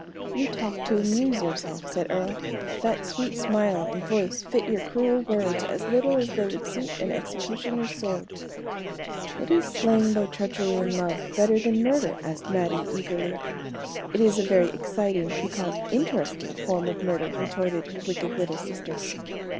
"You talk to amuse yourself," said Earle, "that sweet smile and voice fit your cruel words as little as they would suit an executioner's sword." "What is slaying by treachery in love better than murder?" asked Mattie, eagerly. "It is a very exciting, piquant, interesting form of murder," retorted her wicked little sister.